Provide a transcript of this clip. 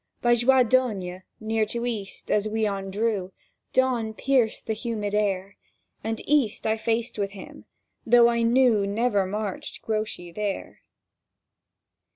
By Joidoigne, near to east, as we ondrew, Dawn pierced the humid air; And eastward faced I with him, though I knew Never marched Grouchy there.